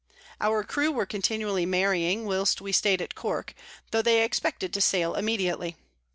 Our Crew were continually marrying whilst we staid at Cork, tho they expected to sail immediately.